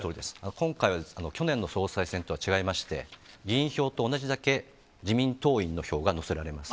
今回は、去年の総裁選とは違いまして、議員票と同じだけ、自民党員の票が乗せられます。